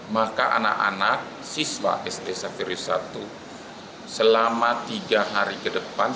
maka anak anak siswa sd safiri satu selama tiga hari ke depan